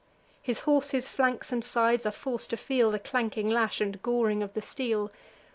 His horse's flanks and sides are forc'd to feel The clanking lash, and goring of the steel.